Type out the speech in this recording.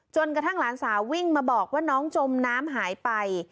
กระทั่งหลานสาววิ่งมาบอกว่าน้องจมน้ำหายไป